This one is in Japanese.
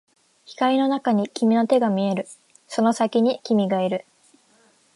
光の中に君の手が見える、その先に君がいる